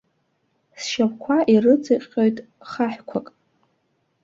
Сшьапқәа ирыҵыҟьҟьоит хаҳәқәак.